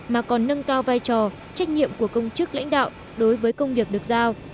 mà còn nâng cao vai trò trách nhiệm của công chức lãnh đạo đối với công việc được giao